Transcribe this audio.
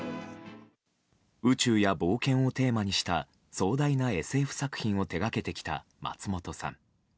宇宙や冒険をテーマにした壮大なＳＦ作品を手がけてきた松本さん。